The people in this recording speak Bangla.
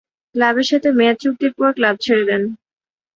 ক্লাবের সাথে মেয়াদ চুক্তির পর ক্লাব ছেড়ে দেন।